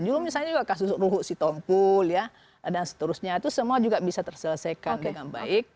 juga misalnya juga kasus ruhu si tongpul ya dan seterusnya itu semua juga bisa terselesaikan dengan baik